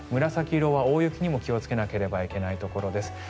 紫色は大雪にも気をつけなければいけないところです。